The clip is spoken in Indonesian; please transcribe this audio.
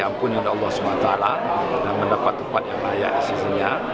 ampunin allah swt dan mendapat tempat yang raya asisinya